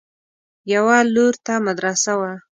يوه لور ته مدرسه وه.